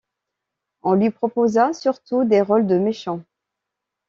On lui proposa surtout des rôles de méchants.